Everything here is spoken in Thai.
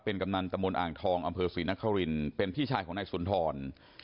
เป็นกำลังตมอลอางทองอศรีนคริลเป็นพี่ชายของนายสุนทร